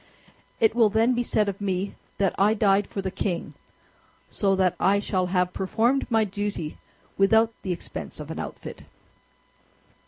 It will then be said of me that I died for the king; so that I shall have performed my duty without the expense of an outfit."